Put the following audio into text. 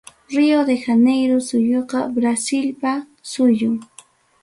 Rio de Janeiro suyuqa Brasilpa suyum.